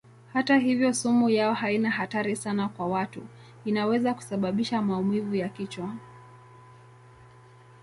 Hata hivyo sumu yao haina hatari sana kwa watu; inaweza kusababisha maumivu ya kichwa.